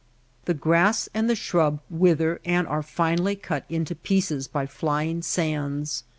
The grass and the shrub wither and are finally cut into pieces by flying sands.